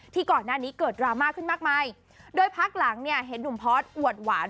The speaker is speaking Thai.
ก่อนหน้านี้เกิดดราม่าขึ้นมากมายโดยพักหลังเนี่ยเห็นหนุ่มพอร์ตอวดหวาน